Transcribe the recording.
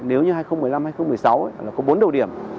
nếu như hai nghìn một mươi năm hai nghìn một mươi sáu là có bốn đầu điểm